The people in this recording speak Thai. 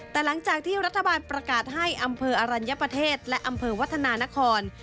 แต่หลังจากที่รัฐบาลประกาศให้อำเภออรัญญประเทศและอำเภอวัฒนานคร